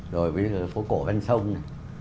rồi phố cổ ven sông này